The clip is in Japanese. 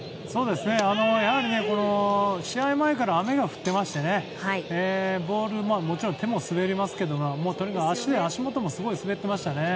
やはり試合前から雨が降っていましてボール、もちろん手も滑りますけど足元もすごく滑ってましたね。